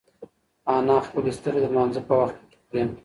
انا خپلې سترگې د لمانځه په وخت پټې کړې.